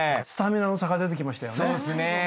スタミナの差が出てきましたよね。